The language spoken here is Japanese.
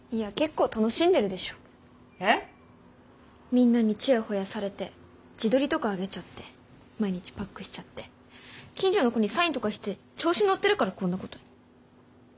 みんなにちやほやされて自撮りとかあげちゃって毎日パックしちゃって近所の子にサインとかして調子乗ってるからこんなことに。